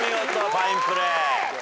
ファインプレー。